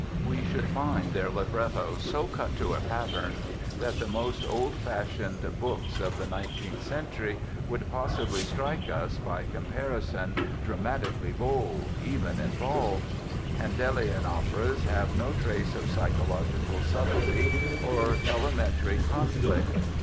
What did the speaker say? We should find their librettos so cut to a pattern that the most old fashioned "books" of the 19th Century would possibly strike us, by comparison, dramatically bold, even involved. Handelian operas have no trace of psychological subtlety or elementary "conflict".